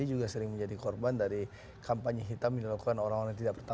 ujarannya itu adalah apa